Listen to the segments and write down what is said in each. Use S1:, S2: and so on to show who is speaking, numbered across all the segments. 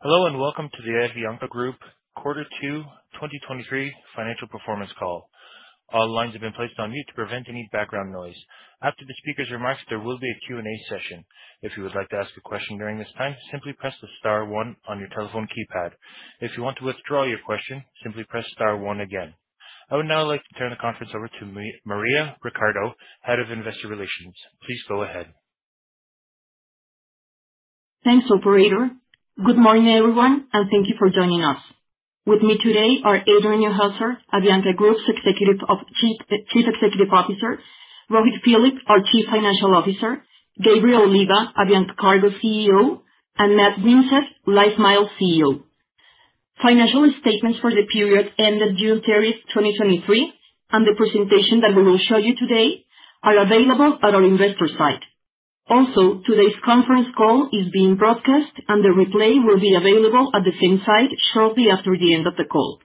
S1: Hello, and welcome to the Avianca Group Two 2023 financial performance call. All lines have been placed on mute to prevent any background noise. After the speaker's remarks, there will be a Q&A session. If you would like to ask a question during this time, simply press the star one on your telephone keypad. If you want to withdraw your question, simply press star one again. I would now like to turn the conference over to Maria Cristina Ricardo, Head of Investor Relations. Please go ahead.
S2: Thanks, operator. Good morning, everyone, and thank you for joining us. With me today are Adrian Neuhauser, Avianca Group's Executive of- Chief, Chief Executive Officer, Rohit Philip, our Chief Financial Officer, Gabriel Oliva, Avianca Cargo CEO, and Matt Vincett, LifeMiles CEO. Financial statements for the period ended June 30, 2023, and the presentation that we will show you today, are available at our investor site. Also, today's conference call is being broadcast, and the replay will be available at the same site shortly after the end of the call.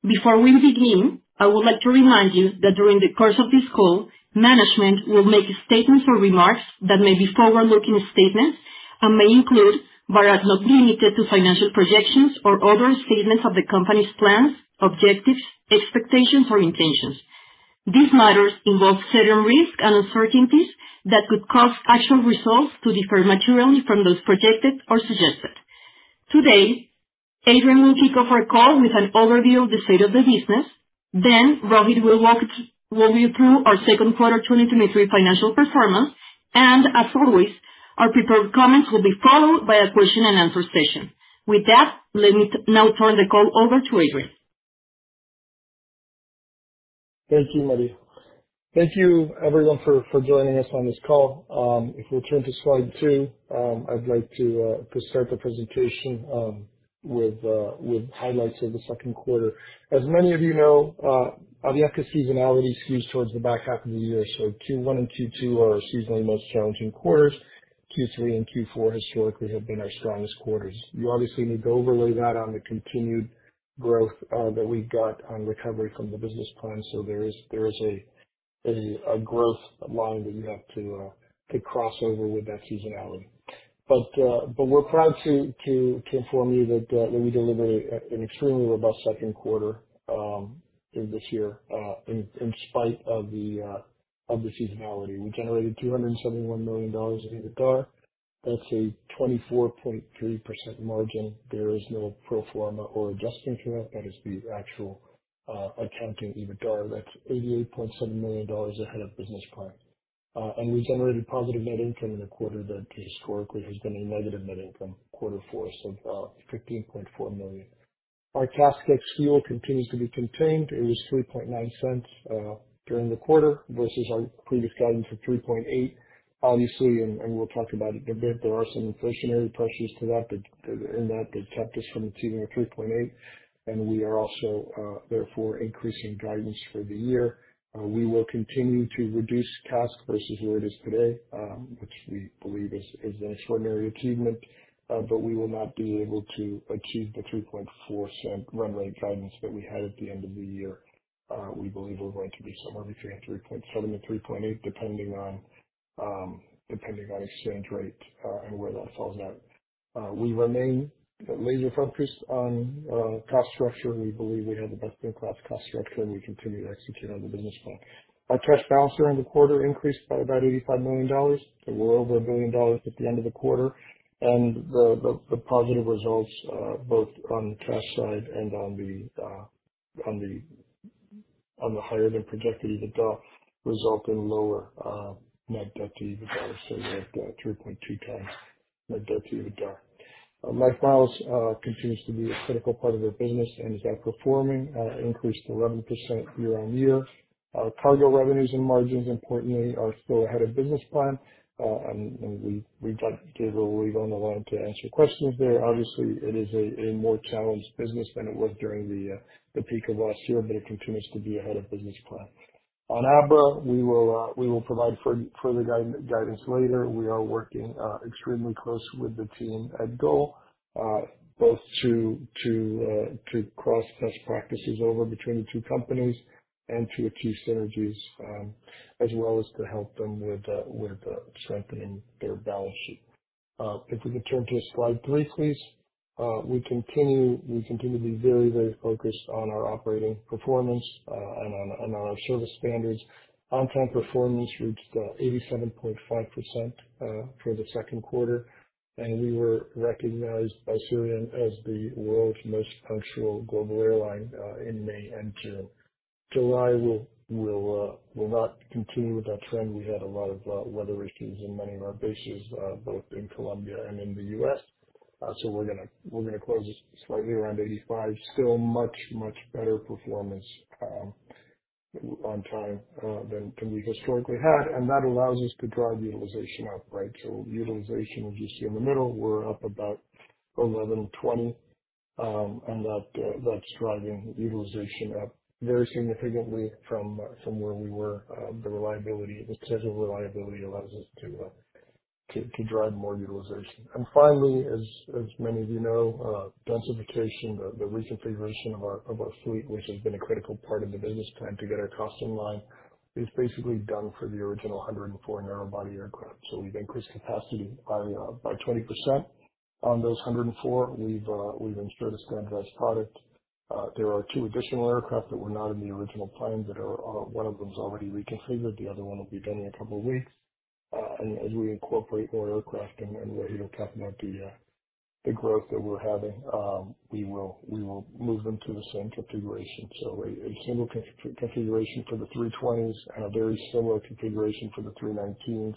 S2: Before we begin, I would like to remind you that during the course of this call, management will make statements or remarks that may be forward-looking statements and may include, but are not limited to, financial projections or other statements of the company's plans, objectives, expectations, or intentions. These matters involve certain risks and uncertainties that could cause actual results to differ materially from those projected or suggested. Today, Adrian will kick off our call with an overview of the state of the business, then Rohit will walk you through our Q2 2023 financial performance, and as always, our prepared comments will be followed by a question and answer session. With that, let me now turn the call over to Adrian.
S3: Thank you, Maria. Thank you everyone for joining us on this call. If we turn to slide two, I'd like to start the presentation with highlights of the Q2. As many of you know, Avianca seasonality skews towards the back of the year, so Q1 and Q2 are our seasonally most challenging quarters. Q3 and Q4 historically have been our strongest quarters. You obviously need to overlay that on the continued growth that we've got on recovery from the business plan, so there is a growth line that you have to cross over with that seasonality. We're proud to inform you that we delivered an extremely robust Q2 this year in spite of the seasonality. We generated $271 million in EBITDA. That's a 24.3% margin. There is no pro forma or adjustment to that. That is the actual accounting EBITDA. That's $88.7 million ahead of business plan. We generated positive net income in a quarter that historically has been a negative net income, quarter four, so $15.4 million. Our CASK ex-fuel continues to be contained. It was $0.039 during the quarter, versus our previous guidance of $0.038. Obviously, and we'll talk about it a bit, there are some inflationary pressures to that, that in that, that kept us from achieving the $0.038, and we are also therefore increasing guidance for the year. We will continue to reduce CASK versus where it is today, which we believe is an extraordinary achievement, but we will not be able to achieve the $0.034 run rate guidance that we had at the end of the year. We believe we're going to be somewhere between $0.037-$0.038, depending on depending on exchange rate, and where that falls out. We remain laser focused on cost structure, and we believe we have the best-in-class cost structure, and we continue to execute on the business plan. Our cash balance during the quarter increased by about $85 million. We're over $1 billion at the end of the quarter. The, the, the positive results, both on the cash side and on the, on the, on the higher than projected EBITDA, result in lower net debt to EBITDA. We're at 3.2x net debt to EBITDA. LifeMiles continues to be a critical part of the business and is outperforming, increased 11% year-over-year. Our cargo revenues and margins, importantly, are still ahead of business plan. We, we'd like to give a read-only line to answer your questions there. Obviously, it is a, a more challenged business than it was during the peak of last year, but it continues to be ahead of business plan. On ABRA, we will provide fur- further guid- guidance later. We are working extremely close with the team at Gol, both to, to cross-test practices over between the two companies and to achieve synergies, as well as to help them with, with strengthening their balance sheet. If we could turn to slide 3, please. We continue, we continue to be very, very focused on our operating performance, and on, and on our service standards. On-time performance reached 87.5% for the Q2, and we were recognized by Cirium as the world's most punctual global airline in May and June. July will, will not continue with that trend. We had a lot of weather issues in many of our bases, both in Colombia and in the US. We're gonna, we're gonna close slightly around 85. Still much, much better performance on time than we've historically had, and that allows us to drive utilization up, right? Utilization, as you see in the middle, we're up about 1120, and that's driving utilization up very significantly from where we were. The reliability, the schedule reliability allows us to drive more utilization. Finally, as many of you know, densification, the reconfiguration of our fleet, which has been a critical part of the business plan to get our costs in line. It's basically done for the original 104 narrow body aircraft. We've increased capacity by 20% on those 104. We've ensured a standardized product. There are 2 additional aircraft that were not in the original plan that are, one of them is already reconfigured, the other one will be done in a couple weeks. As we incorporate more aircraft and, and we're either capping out the growth that we're having, we will, we will move them to the same configuration. A single configuration for the three twentys and a very similar configuration for the three nineteens,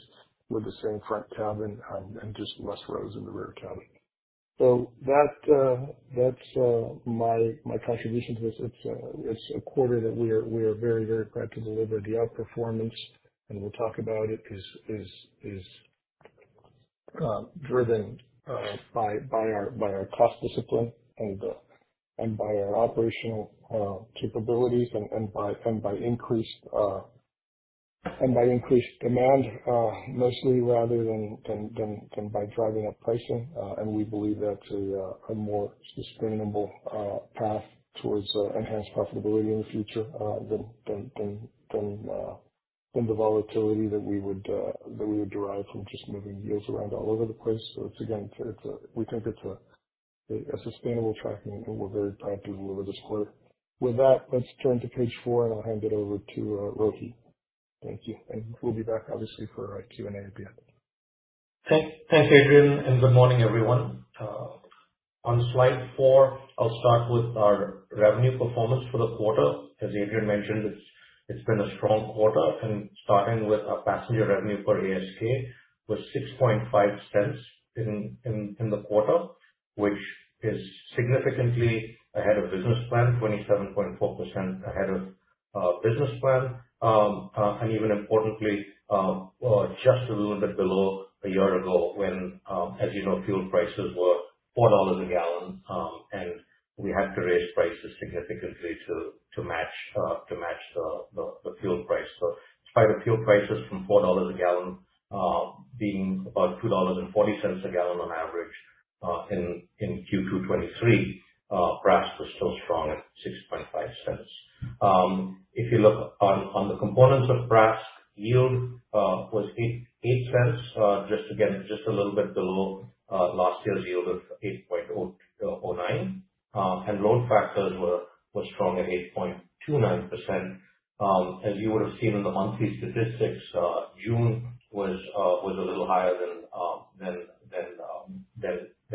S3: with the same front cabin and, and just less rows in the rear cabin. That's my contribution to this. It's a quarter that we are, we are very, very proud to deliver. The outperformance, and we'll talk about it, is driven by our cost discipline and by our operational capabilities, and by increased demand, mostly rather than by driving up pricing. And we believe that's a more sustainable path towards enhanced profitability in the future than the volatility that we would derive from just moving yields around all over the place. It's again, we think it's a sustainable tracking, and we're very proud to deliver this quarter. With that, let's turn to page four, and I'll hand it over to Rohit. Thank you, and we'll be back, obviously, for our Q&A at the end.
S4: Thanks. Thanks, Adrian. Good morning, everyone. On slide four, I'll start with our revenue performance for the quarter. As Adrian mentioned, it's been a strong quarter. Starting with our passenger revenue for ASK, was $0.065 in the quarter, which is significantly ahead of business plan, 27.4% ahead of business plan. Even importantly, just a little bit below a year ago when, as you know, fuel prices were $4 a gallon, we had to raise prices significantly to match the fuel price. Despite the fuel prices from $4 a gallon, being about $2.40 a gallon on average, in Q2 2023, PRAS was still strong at $0.065. If you look on the components of PRAS, yield was $0.08. Just again, just a little bit below last year's yield of $0.0809. Load factors were strong at 8.29%. As you would have seen in the monthly statistics, June was a little higher than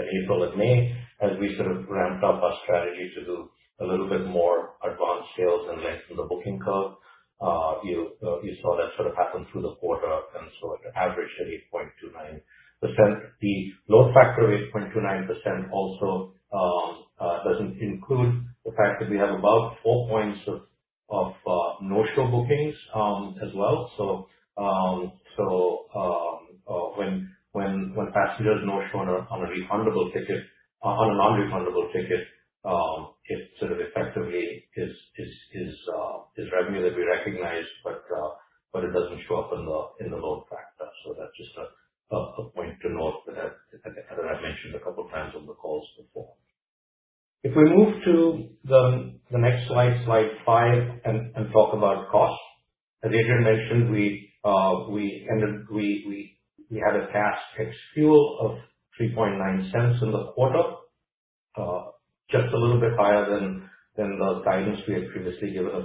S4: April and May, as we sort of ramped up our strategy to do a little bit more advanced sales and length of the booking curve. You saw that sort of happen through the quarter, and so it averaged at 8.29%. The load factor of 8.29% also doesn't include the fact that we have about 4 points of no-show bookings as well. When, when, when passengers no-show on a, on a refundable ticket, on a non-refundable ticket, it sort of effectively is, is, is, is revenue that we recognize, but, but it doesn't show up in the, in the load factor. That's just a, a, a point to note that I've, that I've mentioned a couple of times on the calls before. If we move to the, the next slide, slide five, and, and talk about cost. As Adrian mentioned, we, we, we had a cash ex-fuel of $0.039 in the quarter, just a little bit higher than, than the guidance we had previously given of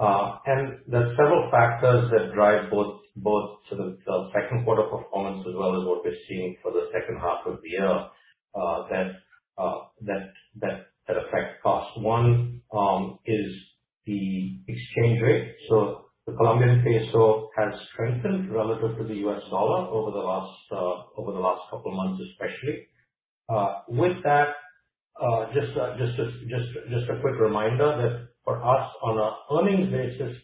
S4: $0.038. There are several factors that drive both, both sort of the Q2 performance as well as what we're seeing for the H2 of the year, that affect cost. One, is the exchange rate. The Colombian peso has strengthened relative to the US dollar over the last, over the last couple of months, especially. With that, just a quick reminder that for us, on an earnings basis,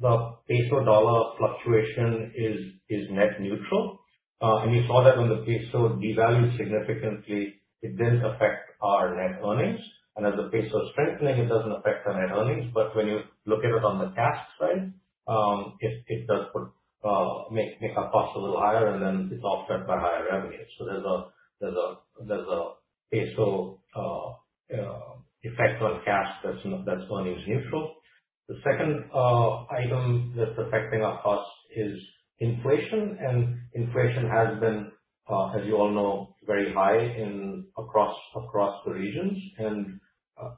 S4: the peso-dollar fluctuation is, is net neutral. You saw that when the peso devalued significantly, it didn't affect our net earnings, and as the peso is strengthening, it doesn't affect our net earnings. When you look at it on the cash side, it does make our costs a little higher, and then it's offset by higher revenues. There's a peso effect on cash that's going is neutral. The second item that's affecting our costs is inflation, inflation has been, as you all know, very high in, across the regions.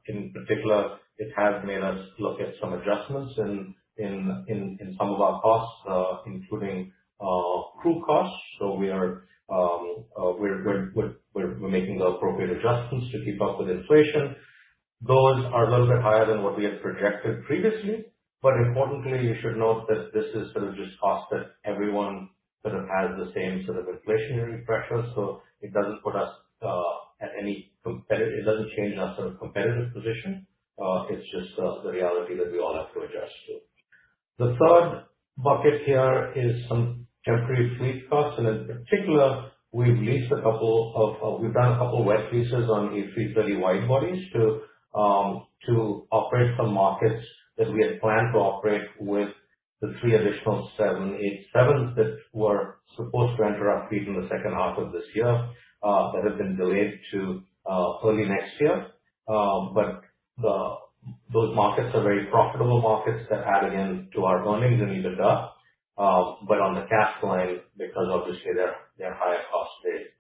S4: In particular, it has made us look at some adjustments in some of our costs, including crew costs. We are, we're making the appropriate adjustments to keep up with inflation. Those are a little bit higher than what we had projected previously, importantly, you should note that this is sort of just cost that everyone sort of has the same sort of inflationary pressure. It doesn't change our sort of competitive position. It's just the reality that we all have to adjust to. The third bucket here is some temporary fleet costs, in particular, we've done a couple wet leases on A330 wide-bodies to operate some markets that we had planned to operate with the 3 additional seven eight sevens that were supposed to enter our fleet in the H2 of this year, that have been delayed to early next year. The, those markets are very profitable markets that add, again, to our earnings and EBITDA. On the cash line, because obviously they're higher cost,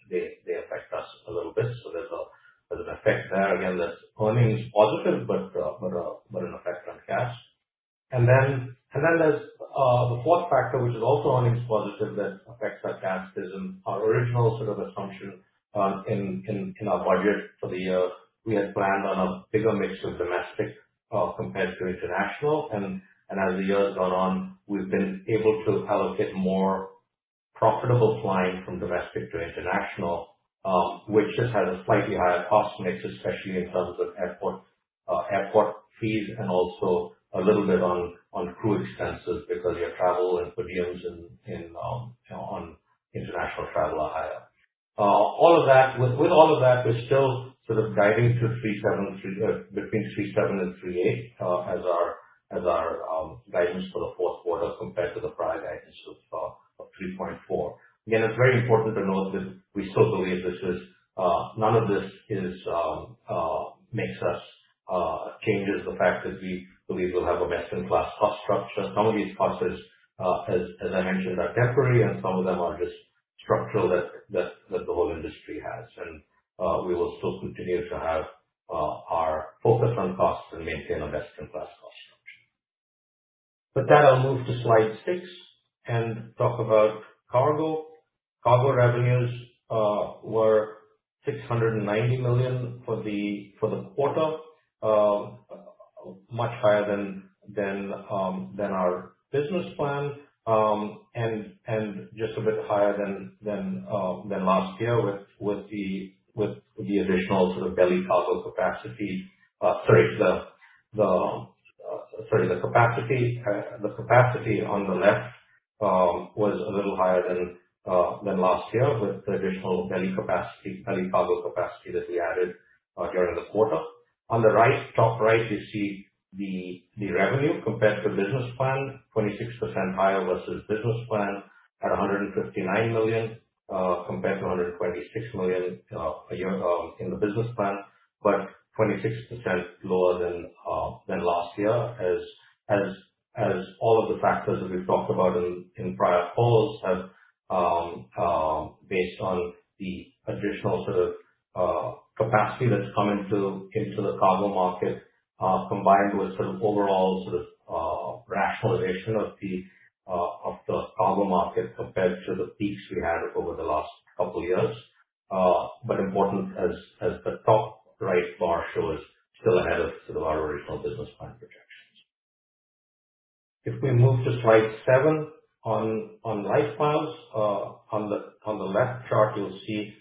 S4: they affect us a little bit. There's a, there's an effect there. Again, the earnings is positive, but an effect on cash. Then there's the fourth factor, which is also earnings positive that affects our cash, is in our original sort of assumption, in our budget for the year. We had planned on a bigger mix of domestic, compared to international. As the years gone on, we've been able to allocate more profitable flying from domestic to international, which just has a slightly higher cost mix, especially in terms of airport, airport fees and also a little bit on, on crew expenses because your travel and per diems in, in, on international travel are higher. All of that. With all of that, we're still sort of guiding to 3.7, between 3.7 and 3.8, as our guidance for the Q4 compared to the prior guidance of 3.4. Again, it's very important to note that we still believe this is. None of this is, makes us, changes the fact that we believe we'll have a best-in-class cost structure. Some of these costs is, as, as I mentioned, are temporary, and some of them are just structural that, that, that the whole industry has. We will still continue to have, our focus on costs and maintain our best-in-class cost structure. With that, I'll move to slide 6 and talk about cargo. Cargo revenues, were $690 million for the, for the quarter, much higher than, than, than our business plan. Just a bit higher than, than, than last year with, with the, with the additional sort of belly cargo capacity. Sorry, the, the, sorry, the capacity, the capacity on the left, was a little higher than, than last year, with the additional belly capacity, belly cargo capacity that we added, during the quarter. On the right, top right, you see the, the revenue compared to business plan, 26% higher versus business plan at $159 million, compared to $126 million a year in the business plan. 26% lower than last year, as all of the factors that we've talked about in prior calls have, based on the additional sort of capacity that's come into the cargo market, combined with sort of overall sort of rationalization of the cargo market compared to the peaks we had over the last couple years. Important as the top right bar shows, still ahead of sort of our original business plan projections. If we move to slide 7 on, on LifeMiles, on the, on the left chart, you'll see,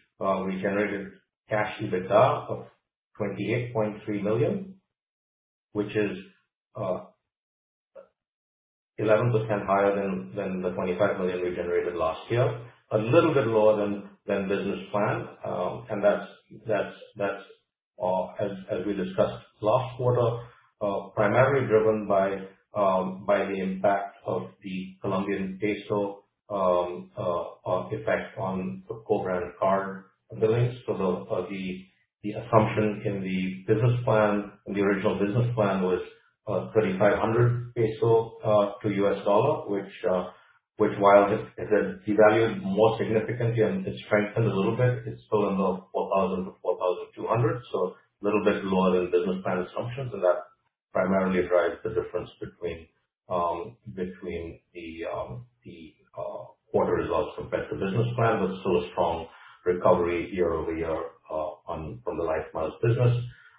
S4: we generated cash EBITDA of $28.3 million, which is 11% higher than the $25 million we generated last year. A little bit lower than business plan, and that's, that's, that's, as, as we discussed last quarter, primarily driven by the impact of the Colombian Peso effect on the co-branded card billings. The, the, the assumption in the business plan, in the original business plan, was COP 3,500 peso to US dollar, which, which while it devalued more significantly and has strengthened a little bit, it's still in the COP 4,000-COP 4,200. A little bit lower than business plan assumptions, and that primarily drives the difference between, between the, the quarter results compared to business plan. Still a strong recovery year-over-year, on from the LifeMiles business.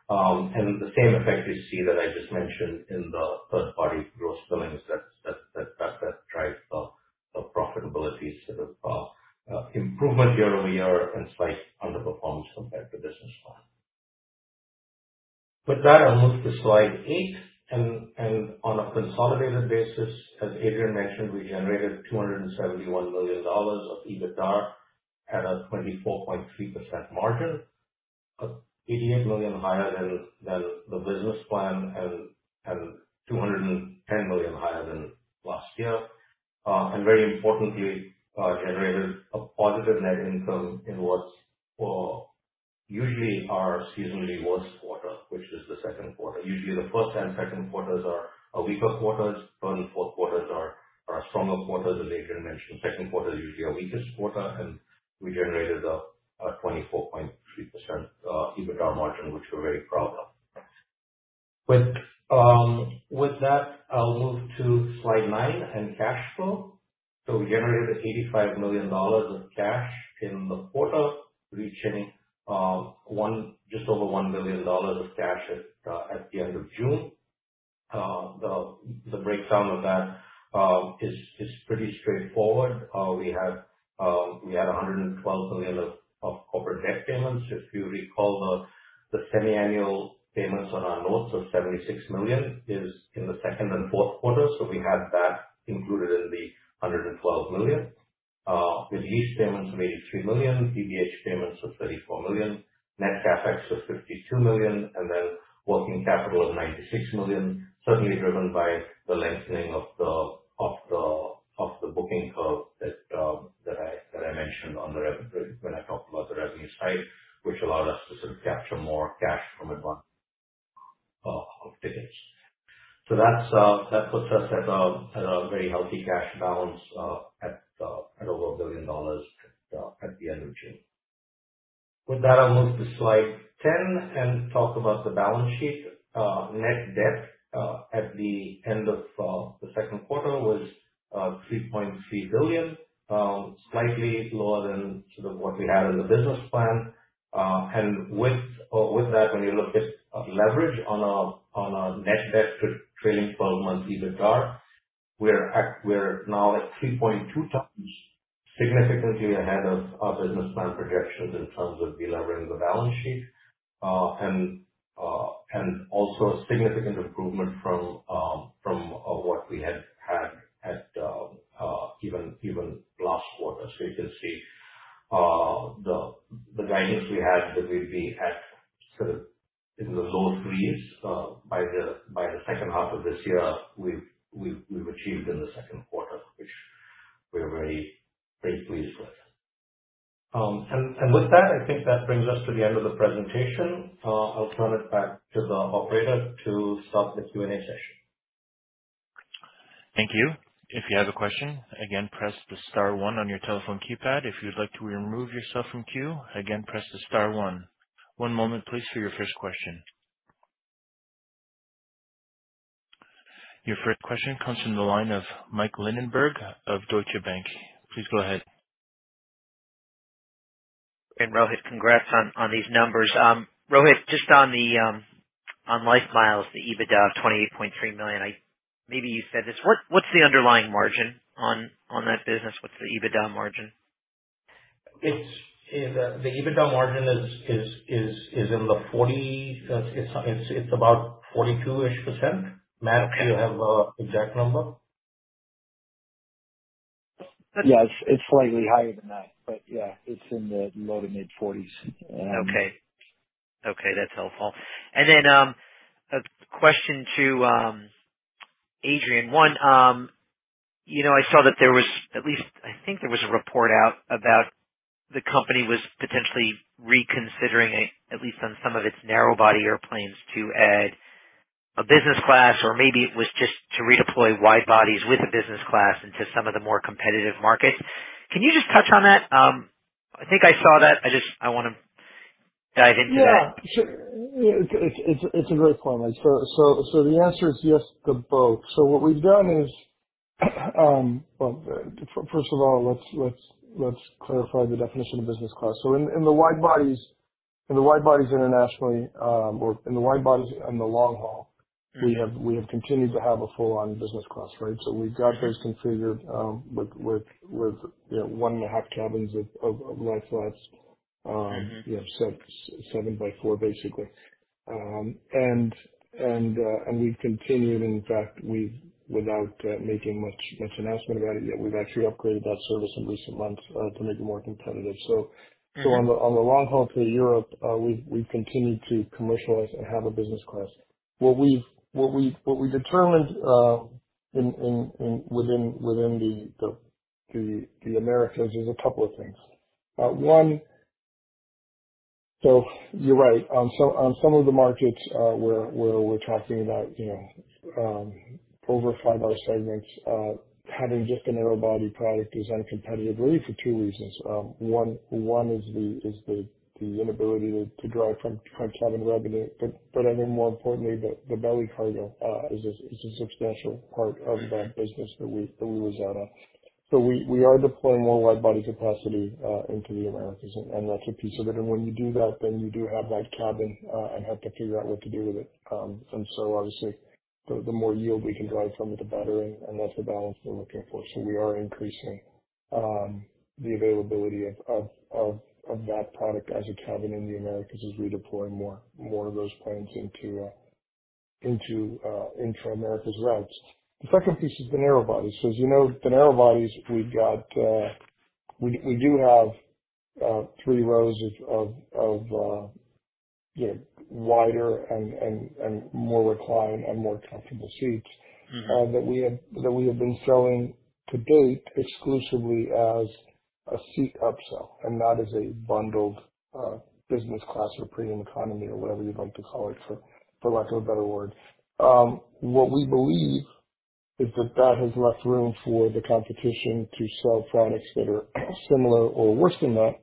S4: The same effect you see that I just mentioned in the third party gross billings, that, that, that, that, that drives the profitability sort of improvement year-over-year and slight underperformance compared to business plan. With that, I'll move to slide eight. On a consolidated basis, as Adrian mentioned, we generated $271 million of EBITDA at a 24.3% margin. $88 million higher than, than the business plan and, and $210 million higher than last year. Very importantly, generated a positive net income in what's usually our seasonally worst quarter, which is the Q2. Usually, the first and Q2s are our weaker quarters, third and Q4s are are stronger quarters as Adrian Neuhauser mentioned. Q2 is usually our weakest quarter, and we generated a a 24.3% EBITDA margin, which we're very proud of. With that, I'll move to slide 9 and cash flow. We generated $85 million of cash in the quarter, reaching just over $1 million of cash at the end of June. The breakdown of that is is pretty straightforward. We had $112 million of of corporate debt payments. If you recall, the semiannual payments on our notes of $76 million is in the Q2 and Q4, so we had that included in the $112 million, with lease payments of $83 million, PBH payments of $34 million, net CapEx of $52 million, and then working capital of $96 million, certainly driven by the lengthening of the booking curve that I mentioned on the when I talked about the revenue side, which allowed us to sort of capture more cash from advance of tickets. That puts us at a very healthy cash balance at over $1 billion at the end of June. With that, I'll move to slide 10 and talk about the balance sheet. Net debt at the end of the Q2 was $3.3 billion, slightly lower than sort of what we had in the business plan. With that, when you look at leverage on a net debt to trailing 12-month EBITDAR, we're now at 3.2x, significantly ahead of our business plan projections in terms of delevering the balance sheet. Also a significant improvement from what we had had at even last quarter. You can see the guidance we had, that we'd be at sort of in the low threes by the H2 of this year, we've achieved in the Q2, which we are very, very pleased with. With that, I think that brings us to the end of the presentation. I'll turn it back to the operator to start the Q&A session.
S1: Thank you. If you have a question, again, press the star one on your telephone keypad. If you'd like to remove yourself from queue, again, press the star one. One moment, please, for your first question. Your first question comes from the line of Mike Linenberg of Deutsche Bank. Please go ahead.
S5: Rohit, congrats on these numbers. Rohit, just on the, on LifeMiles, the EBITDA of $28.3 million, I, Maybe you said this. What's the underlying margin on that business? What's the EBITDA margin?
S4: It's, the EBITDA margin is in the 40, it's about 42%-ish. Matt, do you have the exact number?
S3: Yes, it's slightly higher than that, but yeah, it's in the low to mid forties.
S5: Okay. Okay, that's helpful. Then, a question to Adrian. One, you know, I saw that there was at least I think there was a report out about the company was potentially reconsidering, at least on some of its narrow body airplanes, to add a business class, or maybe it was just to redeploy wide bodies with a business class into some of the more competitive markets. Can you just touch on that? I think I saw that. I just, I want to dive into that.
S3: Yeah. It's, it's, it's a great point, Mike. The answer is yes to both. What we've done is, well, f-first of all, let's, let's, let's clarify the definition of business class. In, in the wide-bodies, in the wide-bodies internationally, or in the wide-bodies in the long haul, we have, we have continued to have a full-on business class, right? We've got those configured, with, with, with, you know, one and a half cabins of, of, of lie flats.
S5: Mm-hmm.
S3: you know, so 7 by 4, basically. We've continued, in fact, we've without making much much announcement about it yet, we've actually upgraded that service in recent months to make it more competitive.
S5: Mm-hmm.
S3: On the long haul to Europe, we've continued to commercialize and have a business class. What we've determined in the Americas is a couple of things. One. You're right. On some of the markets, where we're talking about, you know, over five-hour segments, having just a narrow body product is uncompetitive, really for two reasons. One is the inability to drive from cabin revenue. I think more importantly, the belly cargo is a substantial part of that business that we was on. We are deploying more wide-body capacity into the Americas, and that's a piece of it. When you do that, then you do have that cabin and have to figure out what to do with it. Obviously, the more yield we can drive from it, the better, and that's the balance we're looking for. We are increasing the availability of that product as a cabin in the Americas, as we deploy more of those planes into intra-Americas routes. The second piece is the narrow bodies. As you know, the narrow bodies we've got, we do have three rows of, you know, wider and more recline and more comfortable seats-
S5: Mm-hmm...
S3: that we have, that we have been selling to date exclusively as a seat upsell and not as a bundled business class or premium economy or whatever you'd like to call it, for, for lack of a better word. What we believe is that that has left room for the competition to sell products that are similar or worse than that,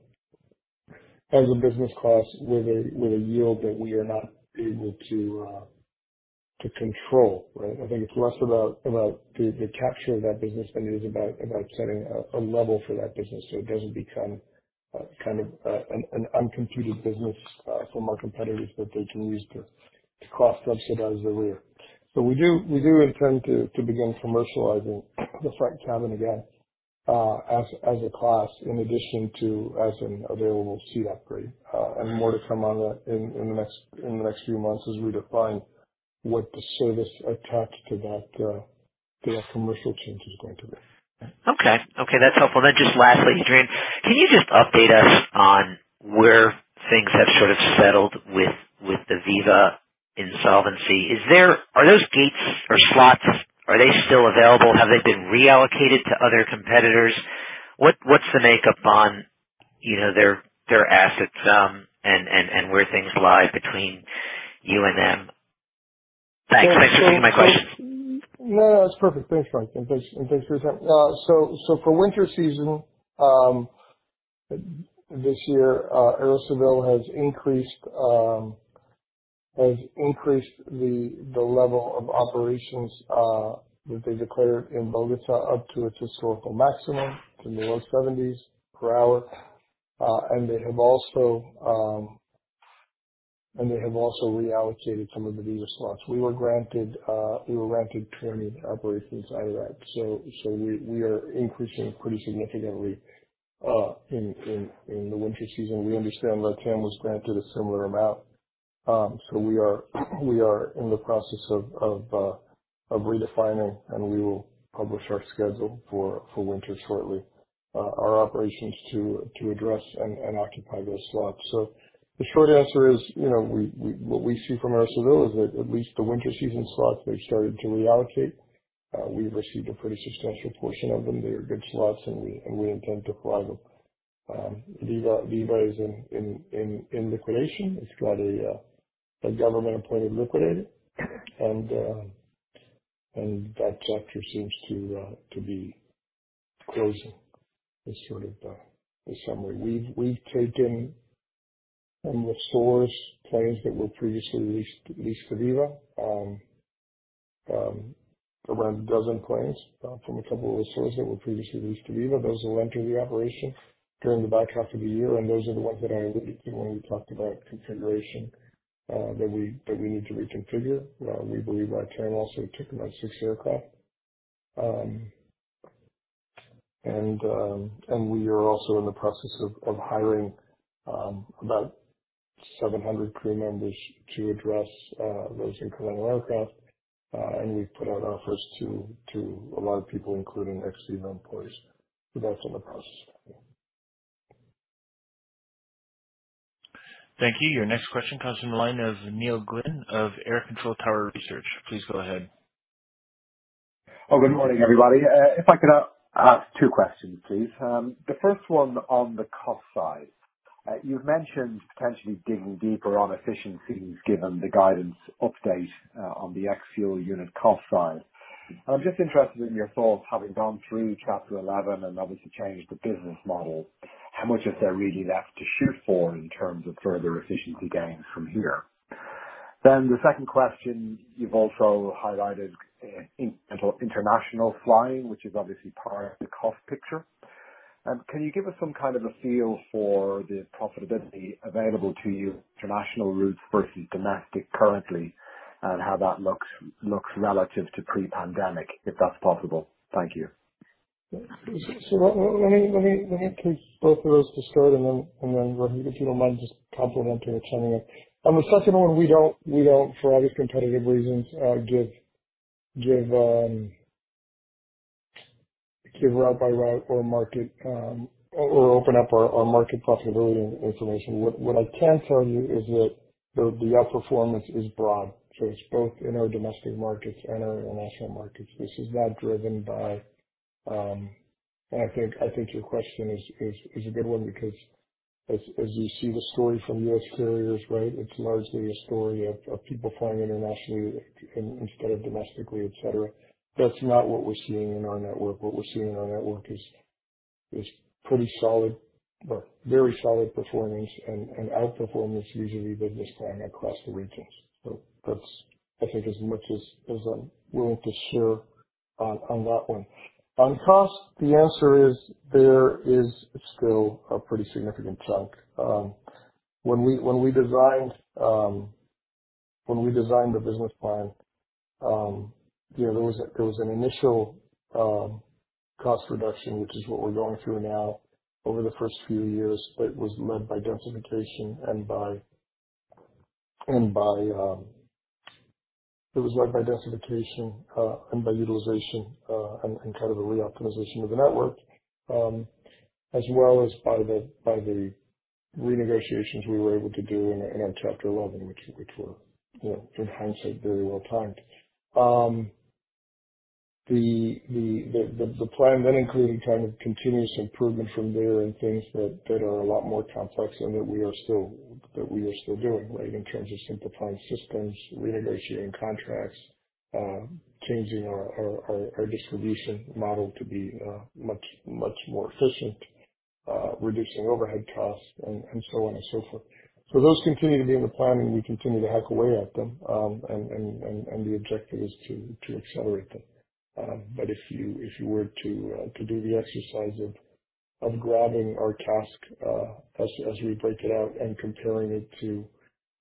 S3: as a business class, with a, with a yield that we are not able to control, right? I think it's less about, about the, the capture of that business than it is about, about setting a, a level for that business, so it doesn't become kind of an uncompeted business for our competitors that they can use to cross-subsidize their rear. We do, we do intend to, to begin commercializing the front cabin again, as, as a class, in addition to, as an available seat upgrade. More to come on that in, in the next, in the next few months as we define-... what the service attached to that, to that commercial change is going to be.
S5: Okay. Okay, that's helpful. Just lastly, Adrian, can you just update us on where things have sort of settled with, with the Viva insolvency? Are those gates or slots, are they still available? Have they been reallocated to other competitors? What, what's the makeup on, you know, their, their assets, and where things lie between you and them? Thanks. Thanks for taking my questions.
S3: No, that's perfect. Thanks, Mike, and thanks, and thanks for your time. For winter season, this year, Aerocivil has increased, has increased the, the level of operations, that they declared in Bogota up to its historical maximum, in the low 70s per hour. They have also, and they have also reallocated some of the Viva slots. We were granted, we were granted crew operations out of that. We, we are increasing pretty significantly, in, in, in the winter season. We understand LATAM was granted a similar amount. We are, we are in the process of, of, of redefining, and we will publish our schedule for, for winter shortly. Our operations to, to address and, and occupy those slots. The short answer is, you know, we, we, what we see from Aerocivil is that at least the winter season slots, they've started to reallocate. We've received a pretty substantial portion of them. They are good slots, and we, and we intend to fly them. Viva, Viva is in, in, in, in liquidation. It's got a, a government-appointed liquidator, and that chapter seems to be closing, is sort of the summary. We've, we've taken some of Source planes that were previously leased, leased to Viva. Around a dozen planes, from a couple of sources that were previously leased to Viva. Those will enter the operation during the back half of the year, and those are the ones that I alluded to when we talked about reconfiguration, that we, that we need to reconfigure. We believe LATAM also took about 6 aircraft. We are also in the process of hiring about 700 crew members to address those incremental aircraft. We've put out offers to a lot of people, including ex-Viva employees. That's in the process.
S1: Thank you. Your next question comes from the line of Neil Glynn of Air Control Tower Research. Please go ahead.
S6: Oh, good morning, everybody. If I could ask two questions, please. The first one on the cost side. You've mentioned potentially digging deeper on efficiencies, given the guidance update, on the ex-fuel unit cost side. I'm just interested in your thoughts, having gone through Chapter 11 and obviously changed the business model, how much is there really left to shoot for in terms of further efficiency gains from here? The second question: You've also highlighted, international flying, which is obviously part of the cost picture. Can you give us some kind of a feel for the profitability available to you, international routes versus domestic currently, and how that looks, looks relative to pre-pandemic, if that's possible? Thank you.
S3: Let, let me, let me take both of those to start, and then, and then, Rohit, if you don't mind just complimenting or turning it. On the second one, we don't, we don't, for obvious competitive reasons, give, give, give route by route or market, or, or open up our, our market profitability information. What, what I can tell you is that the, the outperformance is broad, so it's both in our domestic markets and our international markets. This is not driven by... I think, I think your question is, is, is a good one, because as, as you see the story from US carriers, right, it's largely a story of, of people flying internationally instead of domestically, et cetera. That's not what we're seeing in our network. What we're seeing in our network is, is pretty solid, or very solid performance, and, and outperformance, usually the business plan across the regions. That's, I think, as much as, as I'm willing to share on that one. On cost, the answer is: There is still a pretty significant chunk. When we, when we designed, when we designed the business plan, you know, there was there was an initial cost reduction, which is what we're going through now over the first few years. It was led by densification and by, and by, it was led by densification and by utilization, and, and kind of a reoptimization of the network, as well as by the, by the renegotiations we were able to do in our Chapter 11, which, which were, you know, in hindsight, very well timed. The, the, the, the plan then included kind of continuous improvement from there, and things that, that are a lot more complex and that we are still, that we are still doing, right? In terms of simplifying systems, renegotiating contracts, changing our, our, our, our distribution model to be much, much more efficient, reducing overhead costs, and, and so on and so forth. Those continue to be in the planning. We continue to hack away at them, and, and, and, and the objective is to, to accelerate them. If you, if you were to do the exercise of, of grabbing our ASK, as, as we break it out, and comparing it to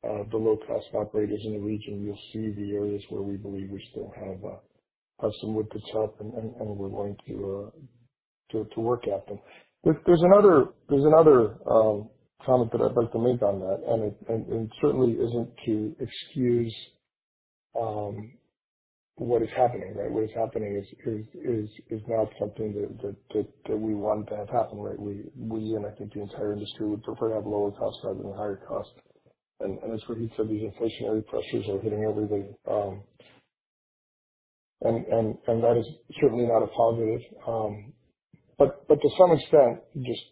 S3: the low-cost operators in the region, you'll see the areas where we believe we still have some wood to chop, and, and, and we're going to work at them. There, there's another, there's another comment that I'd like to make on that, and it, and, and it certainly isn't to excuse what is happening, right? What is happening is, is, is, is not something that, that, that, that we want to have happen, right? We, we, and I think the entire industry, would prefer to have lower costs rather than higher costs. As Rohit said, these inflationary pressures are hitting everything, and, and, and that is certainly not a positive. But to some extent, just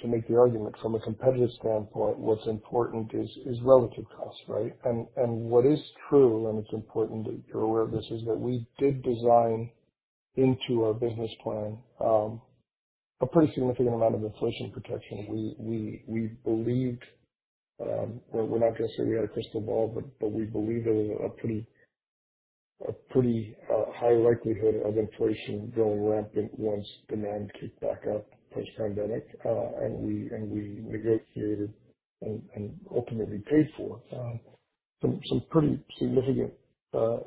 S3: to make the argument from a competitive standpoint, what's important is, is relative cost, right? And what is true, and it's important that you're aware of this, is that we did design into our business plan, a pretty significant amount of inflation protection. We, we, we believed, well, we're not gonna say we had a crystal ball, but, but we believe there was a pretty, a pretty high likelihood of inflation going rampant once demand kicked back up post-pandemic. And we, and we negotiated and, and ultimately paid for, some, some pretty significant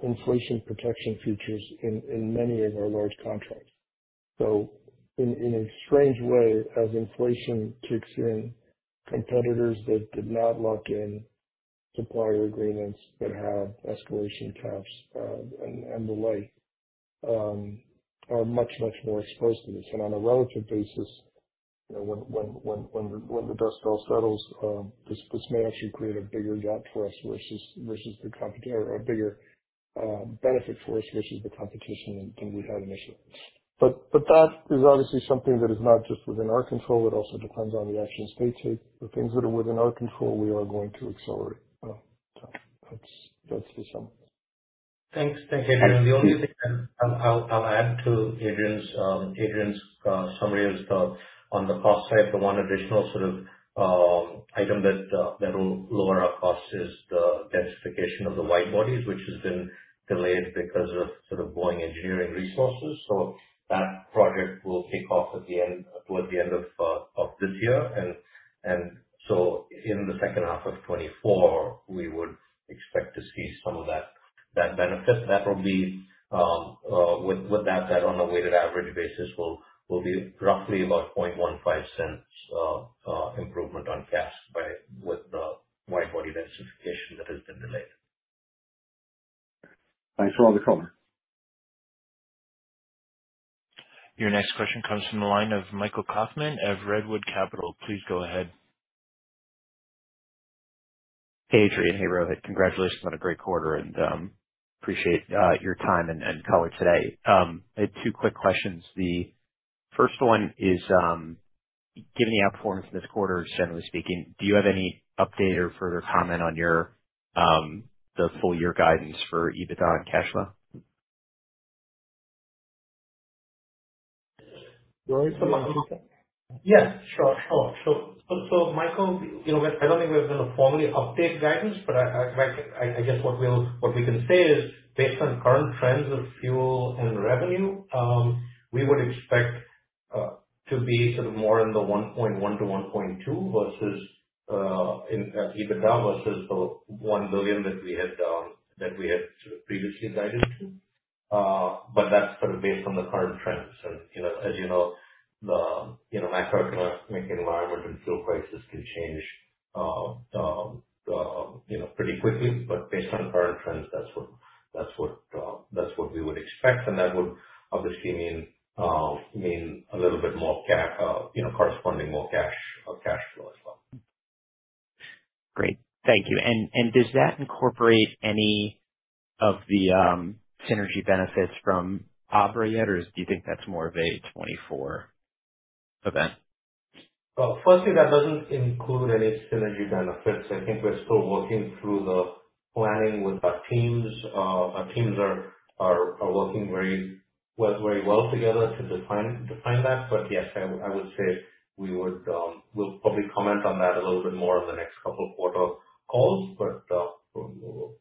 S3: inflation protection features in, in many of our large contracts. In, in a strange way, as inflation kicks in, competitors that did not lock in supplier agreements that have escalation caps, and, and the like, are much, much more exposed to this. On a relative basis, you know, when, when, when, when the, when the dust all settles, this, this may actually create a bigger gap for us versus, versus the competi- or a bigger, benefit for us versus the competition than, than we had initially. That is obviously something that is not just within our control; it also depends on the actions they take. The things that are within our control, we are going to accelerate. That's, that's the summary.
S4: Thanks. Thank you, Adrian. The only thing I'll, I'll, I'll add to Adrian's, Adrian's summary is on the cost side, the one additional sort of item that that will lower our costs is the densification of the wide-bodies, which has been delayed because of sort of borrowing engineering resources. That project will kick off towards the end of this year. In the H2 of 2024, we would expect to see some of that, that benefit. That will be with, with that, that on a weighted average basis, will be roughly about $0.0015 improvement on cash by... with the wide-body densification that has been delayed.
S6: Thanks for all the color.
S1: Your next question comes from the line of Michael Kaufman of Redwood Capital. Please go ahead.
S7: Hey, Adrian. Hey, Rohit. Congratulations on a great quarter, and appreciate your time and color today. I had two quick questions. The first one is, given the outperformance this quarter, generally speaking, do you have any update or further comment on your the full year guidance for EBITDA and cash flow?
S3: Rohit, you want to-
S4: Yes, sure. Sure. Michael, you know, I don't think we're going to formally update guidance, but I guess what we can say is, based on current trends of fuel and revenue, we would expect to be sort of more in the $1.1 billion-$1.2 billion versus in EBITDA, versus the $1 billion that we had that we had sort of previously guided to. But that's sort of based on the current trends. You know, as you know, the, you know, macroeconomic environment and fuel prices can change, you know, pretty quickly. Based on current trends, that's what, that's what, that's what we would expect, and that would obviously mean, mean a little bit more, you know, corresponding more cash, cash flow as well.
S7: Great. Thank you. Does that incorporate any of the synergy benefits from Aubrey yet, or do you think that's more of a 2024 event?
S4: Firstly, that doesn't include any synergy benefits. I think we're still working through the planning with our teams. Our teams are, are, are working very well, very well together to define, define that. Yes, I would say we would, we'll probably comment on that a little bit more on the next couple of quarter calls, but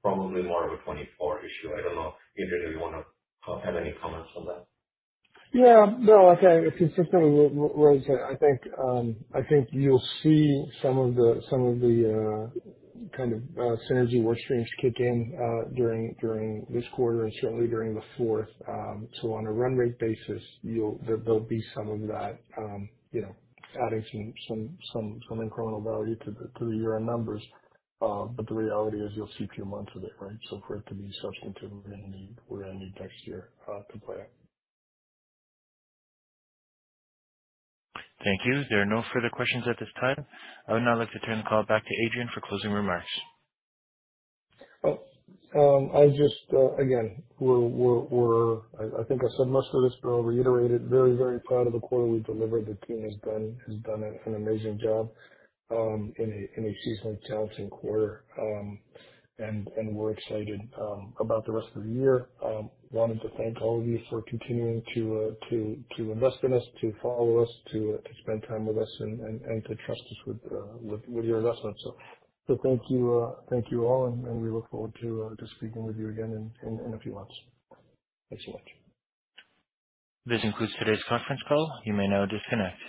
S4: probably more of a 2024 issue. I don't know, Adrian, if you want to add any comments on that.
S3: Yeah. No, I think it's just something, Rohit, I think, I think you'll see some of the, some of the, kind of, synergy work streams kick in, during, during this quarter and certainly during the fourth. On a run rate basis, you'll. There'll be some of that, you know, adding some, some, some, some incremental value to the, to the year-end numbers. The reality is you'll see a few months of it, right? For it to be substantive, we're gonna need, we're gonna need next year, to play out.
S1: Thank you. There are no further questions at this time. I would now like to turn the call back to Adrian for closing remarks.
S3: Well, I just again, I, I think I said most of this, but I'll reiterate it. Very, very proud of the quarter we delivered. The team has done, has done an, an amazing job in a seasonally challenging quarter. We're excited about the rest of the year. Wanted to thank all of you for continuing to, to invest in us, to follow us, to, to spend time with us, and, and, and to trust us with, with, with your investments. Thank you, thank you all, and, and we look forward to, to speaking with you again in, in, in a few months. Thanks so much.
S1: This concludes today's conference call. You may now disconnect.